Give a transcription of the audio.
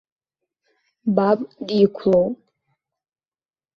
Баб диқәлоуп.